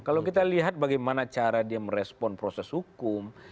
kalau kita lihat bagaimana cara dia merespon proses hukum